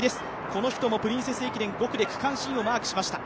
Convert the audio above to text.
この人もプリンセス駅伝５区で区間新をマークしました。